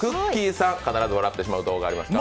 さん、必ず笑ってしまう動画ありますか。